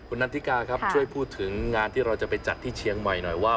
นันทิกาครับช่วยพูดถึงงานที่เราจะไปจัดที่เชียงใหม่หน่อยว่า